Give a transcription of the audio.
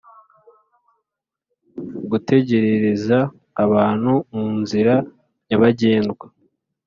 gutegerereza abantu mu nzira nyabagendwa